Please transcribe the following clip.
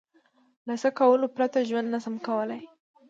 له څه کولو پرته ژوند نشم کولای؟